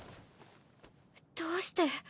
どうして？